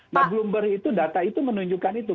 nah bloomber itu data itu menunjukkan itu